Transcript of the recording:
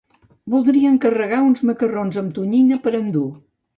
Voldria encarregar uns macarrons amb tonyina per endur.